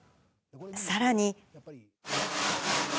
さらに。